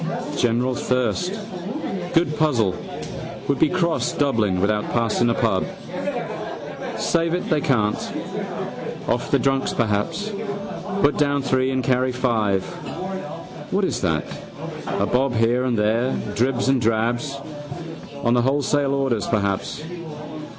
General thirst. Good puzzle would be cross Dublin without passing a pub. Save it they can't. Off the drunks perhaps. Put down three and carry five. What is that, a bob here and there, dribs and drabs. On the wholesale orders perhaps.